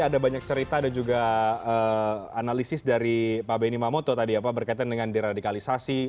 ada banyak cerita dan juga analisis dari pak benny mamoto tadi ya pak berkaitan dengan deradikalisasi